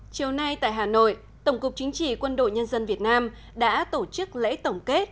chiều nay tại hà nội tổng cục chính trị quân đội nhân dân việt nam đã tổ chức lễ tổng kết